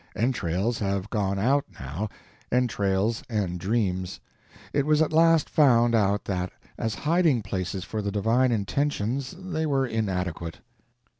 Entrails have gone out, now—entrails and dreams. It was at last found out that as hiding places for the divine intentions they were inadequate.